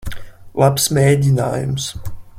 Labs mēģinājums.